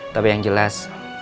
tapi yang jelas